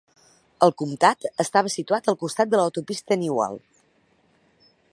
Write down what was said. El comtat estava situat al costat de l'autopista Newell.